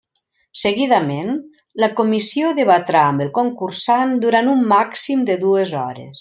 Seguidament, la comissió debatrà amb el concursant durant un màxim de dues hores.